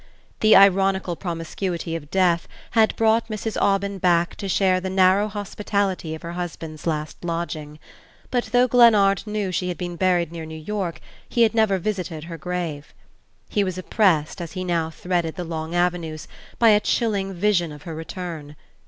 The ironical promiscuity of death had brought Mrs. Aubyn back to share the narrow hospitality of her husband's last lodging; but though Glennard knew she had been buried near New York he had never visited her grave. He was oppressed, as he now threaded the long avenues, by a chilling vision of her return.